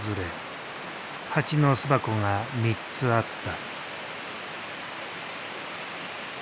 ハチの巣箱が３つあった。